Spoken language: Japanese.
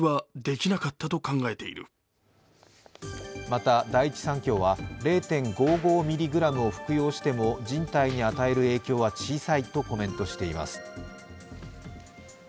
また第一三共は０．５５ｍｇを服用しても人体に与える影響は小さいとコメントしています。